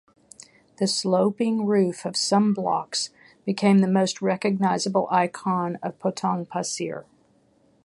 The sloping roof of some blocks became the most recognisable icon of Potong Pasir.